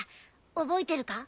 覚えてるか？